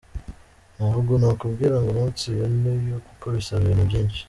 Ntabwo nakubwira ngo umunsi uyu n’uyu kuko bisaba ibintu byinshi.